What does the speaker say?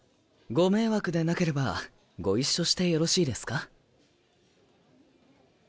ご迷惑でなければご一緒してよろしいですか？